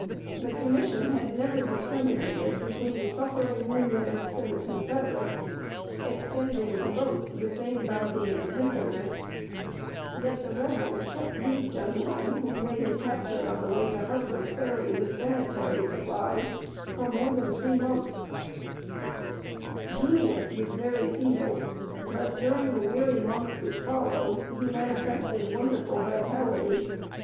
The Commission had never discriminated between suffering Unionists and Confederates, extending to both the same bounty and tenderness; yet the Rebels kept these gentlemen, whom they had captured on the way to Harper's Ferry with sanitary supplies, for more than three months. [Sidenote: DETERMINED NOT TO DIE.] "Junius" was very feeble; but during the weary months which followed, he manifested wonderful vitality.